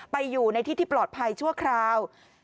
ไปอยู่ในที่ที่ปลอดภัยชั่วคราว